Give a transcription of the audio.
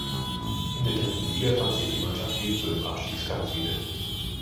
In der dritten Liga fand sich die Mannschaft ebenso im Abstiegskampf wieder.